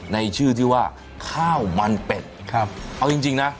ในชื่อที่ว่าข้าวมันเป็ดครับเอาจริงจริงนะ